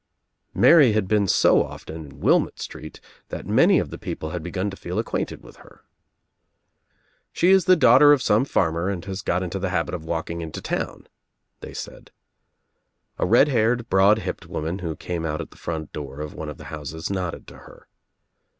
Mary had been so often In Wilmott Street that many of the people had begun to feel acquainted with "She is the daughter of some farmer and has [got into the habit of walking into town," they said. I red haired, broad hipped woman who ca me out a t the front door of one of the houses nodded to her.